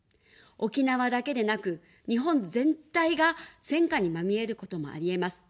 沖縄だけでなく、日本全体が戦火にまみえることもありえます。